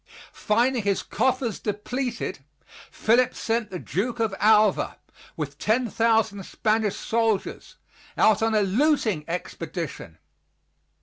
Finding his coffers depleted, Philip sent the Duke of Alva, with 10,000 Spanish soldiers, out on a looting expedition.